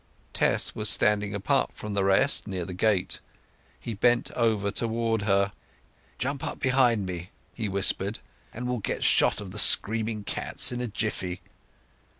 Tess was standing apart from the rest, near the gate. He bent over towards her. "Jump up behind me," he whispered, "and we'll get shot of the screaming cats in a jiffy!"